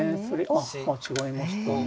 あっ違いましたね。